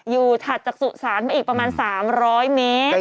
ถัดจากสุสานมาอีกประมาณ๓๐๐เมตร